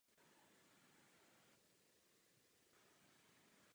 Zlepšuje růst zvířat a bezpečnost masa při požití.